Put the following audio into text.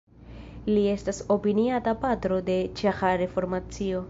Li estas opiniata patro de ĉeĥa reformacio.